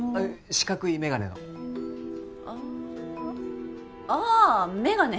四角いメガネの。ああメガネ！